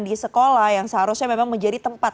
di sekolah yang seharusnya memang menjadi tempat